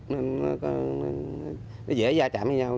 nó dễ da chạm với nhau